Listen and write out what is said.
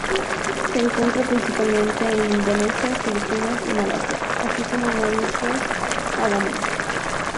Se encuentra principalmente en Indonesia, Filipinas y Malasia, así como en las islas Andamán.